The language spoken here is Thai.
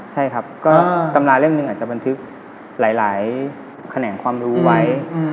ใช่ครับก็ตำราเล่มหนึ่งอาจจะบันทึกหลายแขนงความรู้ไว้